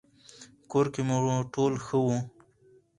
کور کې مو ټول ښه وو؟